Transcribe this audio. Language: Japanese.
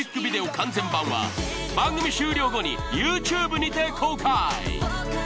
完全版は番組終了後にＹｏｕＴｕｂｅにて公開！